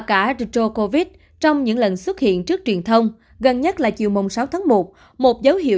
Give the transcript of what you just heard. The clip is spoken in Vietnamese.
cả drogovic trong những lần xuất hiện trước truyền thông gần nhất là chiều sáu tháng một một dấu hiệu